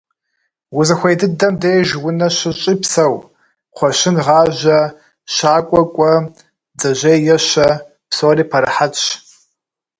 Узыхуей дыдэм деж унэ щыщӀи псэу: кхъуэщын гъажьэ, щакӀуэ кӀуэ, бдзэжьей ещэ. Псори пэрыхьэтщ.